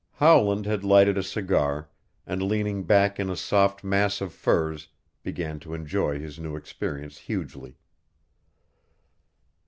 Howland had lighted a cigar, and leaning back in a soft mass of furs began to enjoy his new experience hugely.